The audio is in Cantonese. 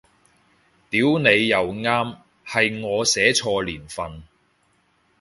屌你又啱，係我寫錯年份